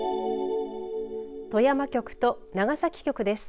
富山局と長崎局です。